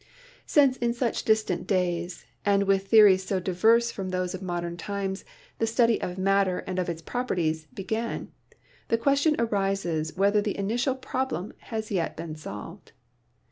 Since in such distant days, and with theories so diverse from those of modern times, the study of matter and of its properties began, the question arises whether the initial problem has yet been solved.